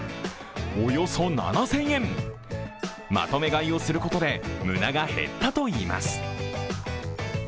およそ７０００円、まとめ買いをすることで無駄が減ったといいます。